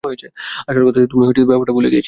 আসল কথা হচ্ছে, তুমি ব্যাপারটা ভুলে গিয়েছিলে।